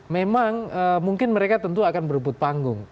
memang mungkin mereka tentu akan berebut panggung